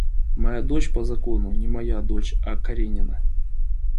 Моя дочь по закону — не моя дочь, а Каренина.